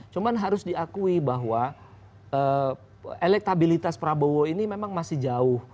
cuma harus diakui bahwa elektabilitas prabowo ini memang masih jauh